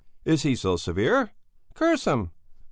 "Is he so severe?" "Curse him!"